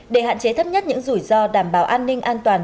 để hạn chế thấp nhất những rủi ro đảm bảo an ninh an toàn